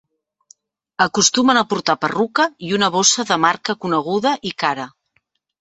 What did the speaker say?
Acostumen a portar perruca i una bossa de marca coneguda i cara.